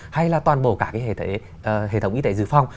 hay là toàn bộ cả hệ thống y tế dư phong